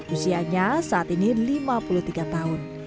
usianya saat ini lima puluh tiga tahun